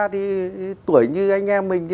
thì tuổi như anh em mình